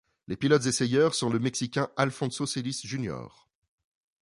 Les pilotes-essayeurs sont le Mexicain Alfonso Celis Jr.